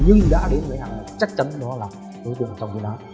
nhưng đã đến với hàng chắc chắn đó là đối tượng trong cái đó